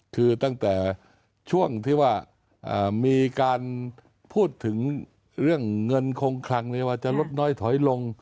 คือตั้งแต่ช่วงที่ว่ามีการพูดถึงเรื่องเงินคงคลังเลยว่าจะลดน้อยถอยลง